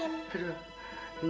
hei kok kamu udah pulang